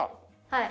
はい。